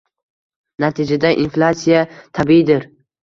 Natijada inflyatsiya tabiiydir